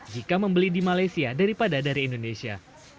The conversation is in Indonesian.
jika membeli di malaysia daripada dari indonesia